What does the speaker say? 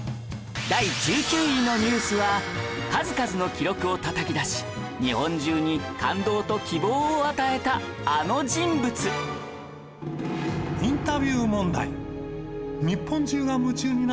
第１９位のニュースは数々の記録をたたき出し日本中に感動と希望を与えたあの人物と思いますよ。